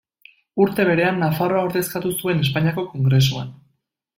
Urte berean, Nafarroa ordezkatu zuen Espainiako Kongresuan.